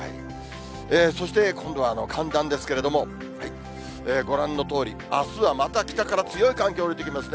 そして今度は寒暖ですけれども、ご覧のとおり、あすはまた北から強い寒気下りてきますね。